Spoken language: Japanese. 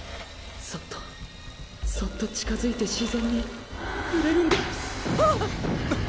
そっとそっと近づいて自然に触れるんだはっ！